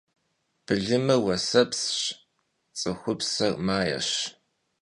Bılımır vuesepsş, ts'ıxupser maêş.